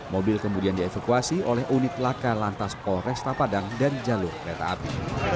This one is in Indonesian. mobil kemudian dievakuasi oleh unit laka lantas polresta padang dan jalur kereta api